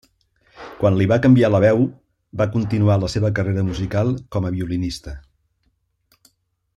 Quan li va canviar la veu va continuar la seva carrera musical com a violinista.